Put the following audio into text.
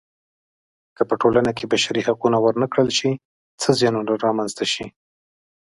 که په ټولنه کې بشري حقونه ورنه کړل شي څه زیانونه رامنځته شي.